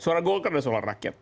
suara golkar adalah suara rakyat